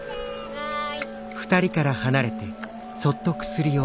はい。